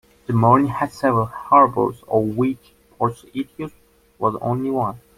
The Morini had several harbours of which "Portus Itius", was only one.